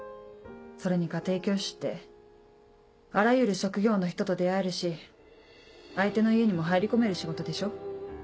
それに家庭教師ってあらゆる職業の人と出会えるし相手の家にも入り込める仕事でしょ。